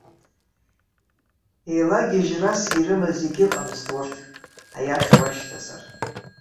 Еилагьежьрасгьы ирымаз егьыҟамызт урҭ, аиаша уашьҭазар.